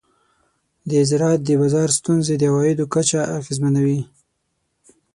د زراعت د بازار ستونزې د عوایدو کچه اغېزمنوي.